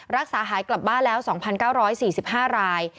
รักษาหายกลับบ้านแล้ว๒๙๔๕ราย